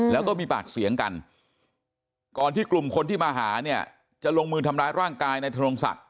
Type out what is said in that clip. แล้วก็มีปากเสียงกันก่อนที่กลุ่มคนที่มาหาเนี่ยจะลงมือทำร้ายร่างกายนายธนงศักดิ